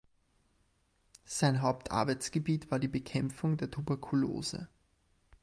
Sein Hauptarbeitsgebiet war die Bekämpfung der Tuberkulose.